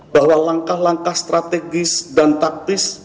bahwa langkah langkah strategis dan taktis